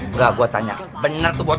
engga gua tanya bener tuh bocahnya